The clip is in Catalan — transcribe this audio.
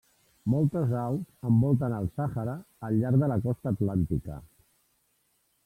Moltes aus envolten el Sàhara al llarg de la costa atlàntica.